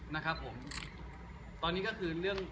นะครับผมตอนนี้ก็คือเรื่อง